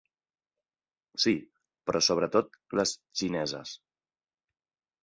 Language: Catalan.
Sí, però sobretot les xineses.